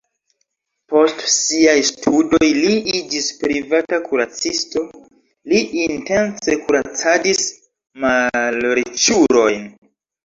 Post siaj studoj li iĝis privata kuracisto, li intence kuracadis malriĉulojn.